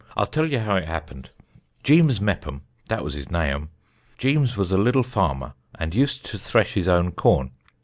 I'll tell ye how it happened. Jeems Meppom dat was his naüm Jeems was a liddle farmer, and used to thresh his own corn.